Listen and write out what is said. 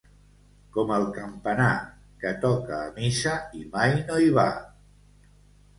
Com el campanar, que toca a missa i mai no hi va.